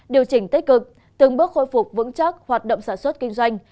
điều chỉnh tích cực từng bước khôi phục vững chắc hoạt động sản xuất kinh doanh